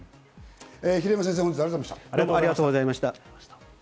平山先生、本日はありがとうございました。